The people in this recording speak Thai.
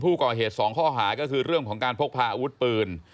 ก่อเหตุ๒ข้อหาก็คือเรื่องของการพกพาอาวุธปืน